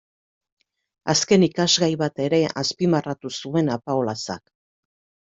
Azken ikasgai bat ere azpimarratu zuen Apaolazak.